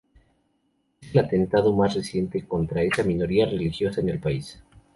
Es el atentado más reciente contra esa minoría religiosa en el país.